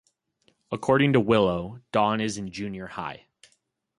According to Willow, Dawn is in junior high.